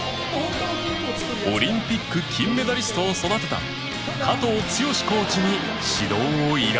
オリンピック金メダリストを育てた加藤健志コーチに指導を依頼